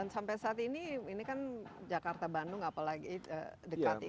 sampai saat ini ini kan jakarta bandung apalagi dekat ini